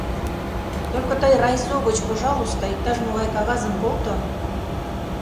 — Только тый райзо гыч, пожалуйста, иктаж, могай кагазым колто.